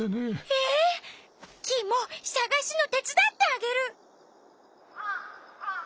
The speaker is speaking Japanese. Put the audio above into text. ええ！？キイもさがすのてつだってあげる！